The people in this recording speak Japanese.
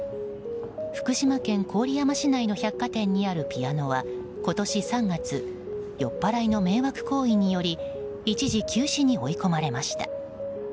福島県郡山市内の百貨店にあるピアノは今年３月酔っぱらいの迷惑行為により一時休止に追い込まれました。